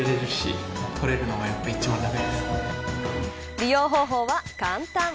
利用方法は簡単。